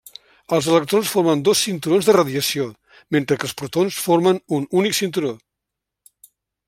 Els electrons formen dos cinturons de radiació, mentre que els protons formen un únic cinturó.